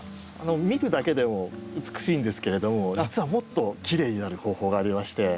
見るだけでも美しいんですけれども実はもっときれいになる方法がありまして。